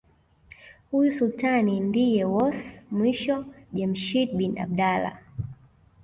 Huyu Sultani ndiye was mwisho Jemshid bin abdalla